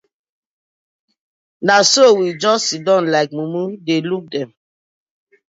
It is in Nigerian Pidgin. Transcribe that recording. Na so we just dey siddon like mumu dey look dem.